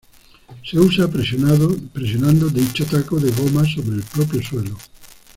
Se usa presionando dicho taco de goma sobre el propio suelo.